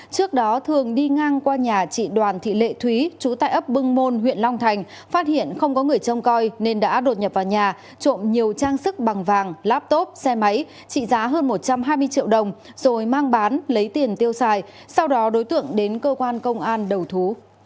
trước đó thường đi ngang qua nhà chị đoàn thị lệ thúy chú tại ấp bưng môn huyện long thành phát hiện không có người trông coi nên đã đột nhập vào nhà trộm nhiều trang sức bằng vàng laptop xe máy trị giá hơn một trăm hai mươi triệu đồng rồi mang bán lấy tiền tiêu xài sau đó đối tượng đến cơ quan công an đầu thú